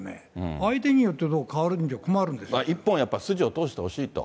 相手によって、一本やっぱり筋を通してほしいと。